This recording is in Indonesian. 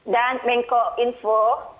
dan menko info